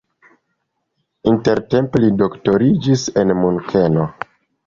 Intertempe li doktoriĝis en Munkeno.